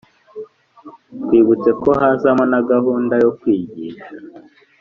twibutse ko hazamo na gahunda yo kwigisha.